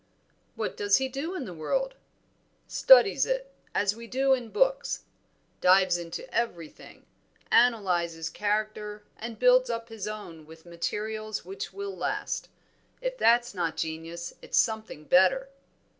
"What does he do in the world?" "Studies it, as we do books; dives into everything, analyzes character, and builds up his own with materials which will last. If that's not genius it's something better."